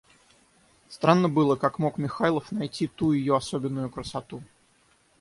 Странно было, как мог Михайлов найти ту ее особенную красоту.